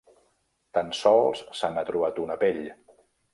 Tan sols se n'ha trobat una pell.